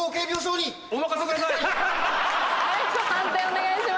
判定お願いします。